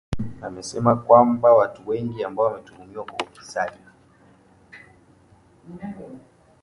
Amesema kwamba watu wengi ambao wametuhumiwa kwa ufisadi